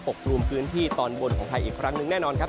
กลุ่มพื้นที่ตอนบนของไทยอีกครั้งหนึ่งแน่นอนครับ